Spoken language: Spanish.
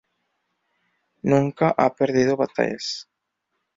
Nunca ha perdido batallas.